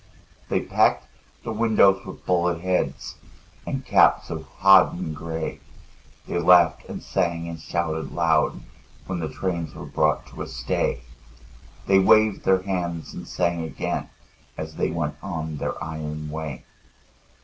They packed the windows with bullet heads And caps of hodden gray; They laughed and sang and shouted loud When the trains were brought to a stay; They waved their hands and sang again As they went on their iron way.